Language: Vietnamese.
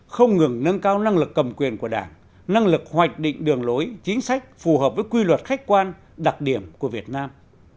không ngừng nâng cao năng lực cầm quyền của đảng năng lực hoạch định đường lối chính sách phù hợp với quy luật khách quan đặc điểm của việt nam